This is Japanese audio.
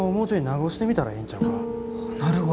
なるほど。